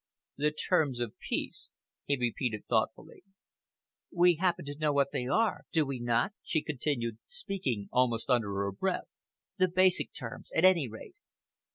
"The terms of peace," he repeated thoughtfully. "We happen to know what they are, do we not?" she continued, speaking almost under her breath, "the basic terms, at any rate."